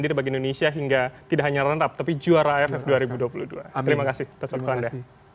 diri bagi indonesia hingga tidak hanya rentap tapi juara aff dua ribu dua puluh dua terima kasih atas waktu anda